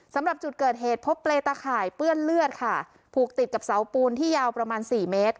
สำหรับจุดเกิดเหตุพบเปรย์ตะข่ายเปื้อนเลือดค่ะผูกติดกับเสาปูนที่ยาวประมาณสี่เมตร